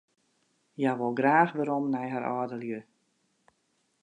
Hja wol graach werom nei har âldelju.